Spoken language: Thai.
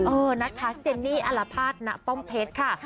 เออนะคะเจนนี่อัลภาษณป้อมเพชรค่ะ